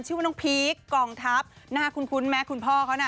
ชื่อว่าน้องพีคกองทัพน่าคุ้นไหมคุณพ่อเขาน่ะ